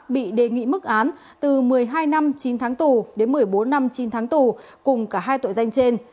bị đề nghị mức án từ một mươi hai năm chín tháng tù đến một mươi bốn năm chín tháng tù cùng cả hai tội danh trên